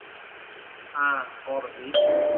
อา พอแบบนี้